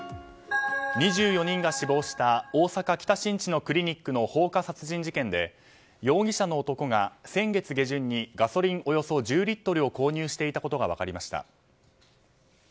２４人が死亡した大阪・北新地のクリニックの放火殺人事件で容疑者の男が先月下旬にガソリンおよそ１０リットルを購入していたことが分かりました。